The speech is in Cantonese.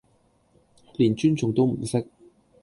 連尊重都唔識